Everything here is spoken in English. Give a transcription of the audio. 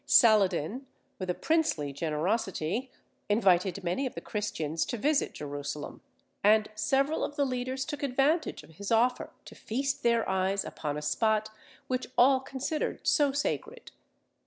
Saladin, with a princely generosity, invited many of the Christians to visit Jerusalem; and several of the leaders took advantage of his offer to feast their eyes upon a spot which all considered so sacred.